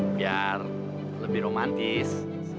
biar lebih romantis